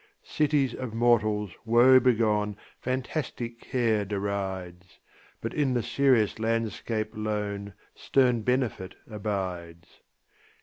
Cities of mortals woe begone Fantastic care derides, But in the serious landscape lone Stern benefit abides.